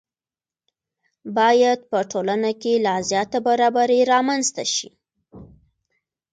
باید په ټولنه کې لا زیاته برابري رامنځته شي.